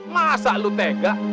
masa lu tega